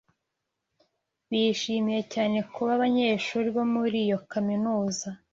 Bishimiye cyane kuba abanyeshuri bo muri iyo kaminuza.